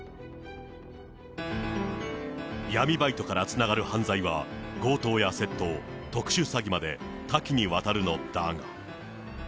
闇バイトからつながる犯罪は、強盗や窃盗、特殊詐欺まで多岐にわたるのだが。